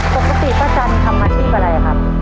ปกติป๊าจันทำธีปอะไรครับ